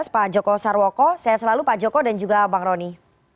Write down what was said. pak joko sarwoko saya selalu pak joko dan juga bang roni